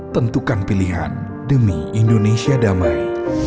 tentukan pilihan demi indonesia damai